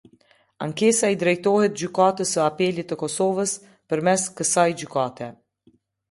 Ankesa i drejtohet Gjykatës së Apelit të Kosovës, përmes kësaj gjykate.